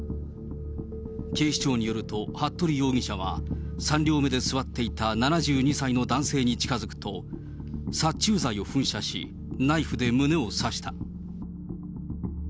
警視庁によると、服部容疑者は、３両目で座っていた７２歳の男性に近づくと、殺虫剤を噴射し、ナイフで胸を刺した。